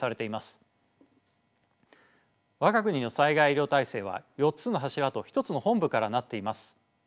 我が国の災害医療体制は４つの柱と一つの本部からなっています。